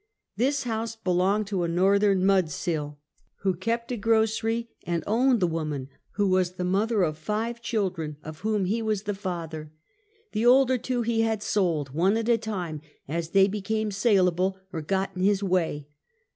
This house belonged to a Northern '^ mudsill," who 54 Half a Centuet. kept a grocery, and owned the woman, who was the mother of five children, of whom he was the father. The older two he had sold, one at a time, as they be came saleable or got in his way.